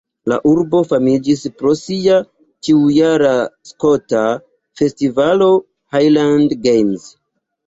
La urbo famiĝis pro sia ĉiujara skota festivalo Highland Games.